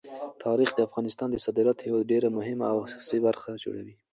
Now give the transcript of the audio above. تاریخ د افغانستان د صادراتو یوه ډېره مهمه او اساسي برخه جوړوي.